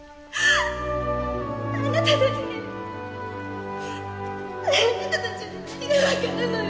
あなたたちにあなたたちに何が分かるのよ。